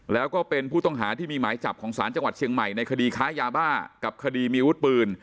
แล้วก็เป็นผู้ต้องหาที่มีหมายจับของศาลจังหวัดเชียงใหม่ในคดีค้ายาบ้ากับคดีมีวุฒิปืน